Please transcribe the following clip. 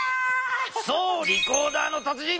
そうリコーダーのたつ人